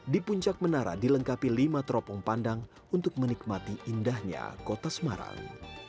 di puncak menara dilengkapi lima teropong pandang untuk menikmati indahnya kota semarang